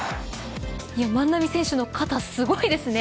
万波選手の肩すごいですね。